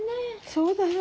そうだよ。